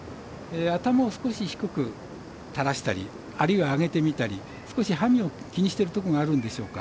頭を少し低く、たらしたりあるいは上げてみたり少しハミを気にしているところがあるんでしょうか。